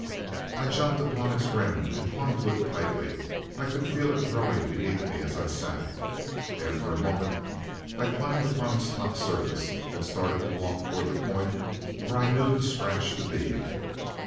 "I jumped upon its rim and clung to it tightly. I could feel it growing beneath me, as I sat. After a moment I climbed upon its top surface and started to walk towards the point where I knew the scratch to be.